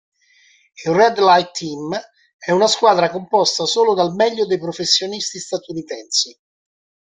Il Red Light Team, è una squadra composta solo dal meglio dei professionisti statunitensi.